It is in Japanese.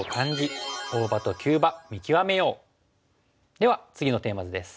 では次のテーマ図です。